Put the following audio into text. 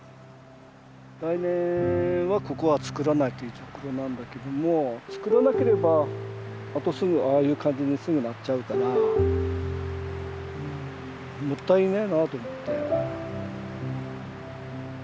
来年はここは作らないっていうところなんだけども作らなければすぐああいう感じにすぐなっちゃうからうんもったいねえなと思って。